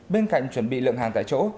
bên cạnh chuẩn bị lượng hàng tại chỗ